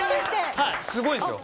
すごいですよ。